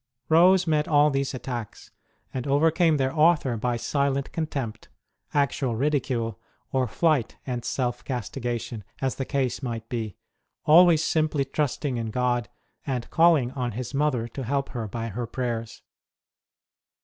Rose met all these attacks, and overcame their author by silent contempt, actual ridicule, or flight and self castigation, as the case might be, OF THE SAINT S INCREASED PENANCES 145 always simply trusting in God, and calling on His Mother to help her by her prayers.